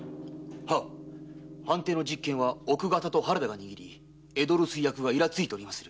はっ藩邸の実権は奥方と原田が握り江戸留守居役はいらついております。